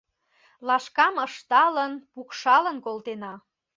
Лашкам ышталын пукшалын колтена.